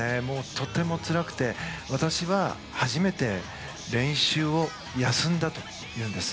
とてもつらくて、私は初めて練習を休んだというんです。